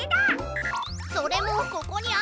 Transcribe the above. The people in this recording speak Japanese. それもここにあるよ！